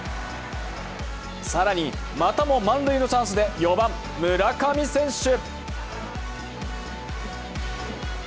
更にまたも満塁のチャンスで４番・村上選手。